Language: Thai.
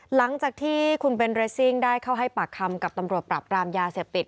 หลังจากที่คุณเบนเรสซิ่งได้เข้าให้ปากคำกับตำรวจปราบปรามยาเสพติด